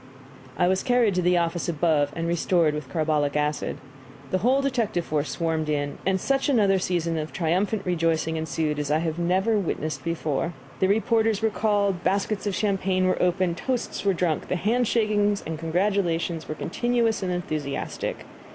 I was carried to the office above and restored with carbolic acid. The whole detective force swarmed in, and such another season of triumphant rejoicing ensued as I had never witnessed before. The reporters were called, baskets of champagne were opened, toasts were drunk, the handshakings and congratulations were continuous and enthusiastic.